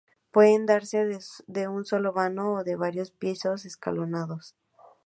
Pueden darse de un solo vano o de varios pisos escalonados.